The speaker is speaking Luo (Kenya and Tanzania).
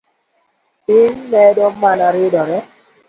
Piny medo mana ridore